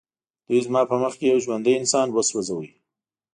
دوی زما په مخ کې یو ژوندی انسان وسوځاوه